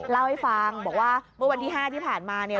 เล่าให้ฟังบอกว่าเมื่อวันที่๕ที่ผ่านมาเนี่ย